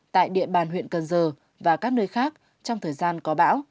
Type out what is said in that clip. tại địa bàn huyện cần giờ và các nơi khác trong thời gian có bão